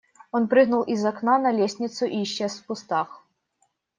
Он прыгнул из окна на лестницу и исчез в кустах.